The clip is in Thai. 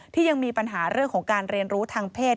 ที่ยังมีปัญหาเรื่องของการเรียนรู้ทางเพศ